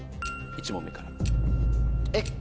１問目から。